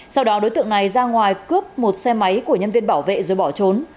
sau đó đối tượng này ra ngoài cướp một xe máy của nhân viên bảo vệ rồi bỏ trốn